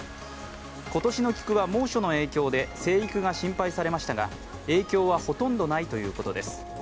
今年の菊は猛暑の影響で生育が心配されましたが影響はほとんどないということです。